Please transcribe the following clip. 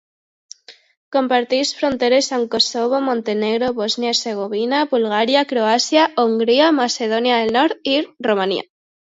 Comparteix fronteres amb Kosovo, Montenegro, Bòsnia-Hercegovina, Bulgària, Croàcia, Hongria, Macedònia del Nord, i Romania.